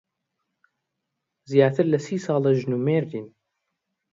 زیاتر لە سی ساڵە ژن و مێردین.